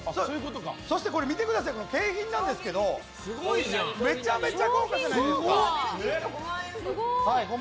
そして、景品なんですけどめちゃめちゃ豪華じゃないですか？